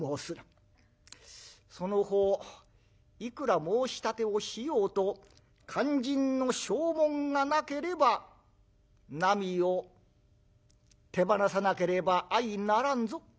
そのほういくら申し立てをしようと肝心の証文がなければなみを手放さなければ相成らんぞ。